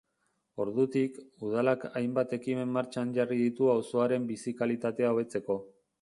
Ordutik, udalak hainbat ekimen martxan jarri ditu auzoaren bizi-kalitatea hobetzeko.